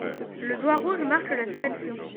Le doigt rouge marque la direction.